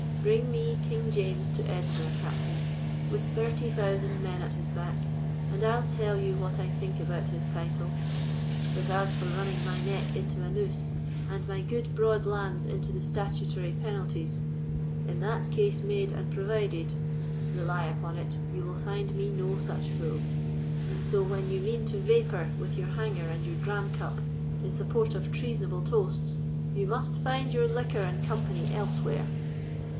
Bring me King James to Edinburgh, Captain, with thirty thousand men at his back, and I'll tell you what I think about his title; but as for running my neck into a noose, and my good broad lands into the statutory penalties, 'in that case made and provided,' rely upon it, you will find me no such fool. So, when you mean to vapour with your hanger and your dram cup in support of treasonable toasts, you must find your liquor and company elsewhere."